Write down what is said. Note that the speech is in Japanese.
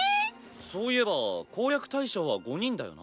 そういえば攻略対象は５人だよな？